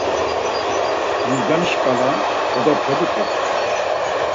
Nurcani şǩala kodopxeditu.